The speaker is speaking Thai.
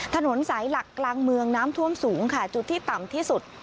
ถนนสายหลักกลางเมืองน้ำท่วมสูงค่ะจุดที่ต่ำที่สุด